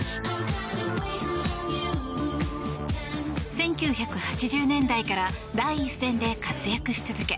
１９８０年代から第一線で活躍し続け